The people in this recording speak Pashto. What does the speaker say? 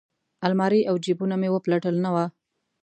المارۍ او جیبونه مې وپلټل نه وه.